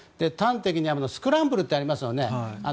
端的にはスクランブルってありますよね